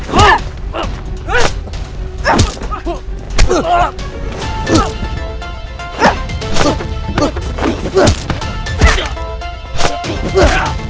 gua balik dulu ya